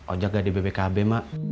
ojek gak ada bbkb mak